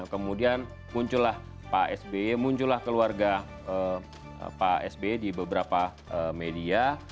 kemudian muncullah pak sby muncullah keluarga pak sb di beberapa media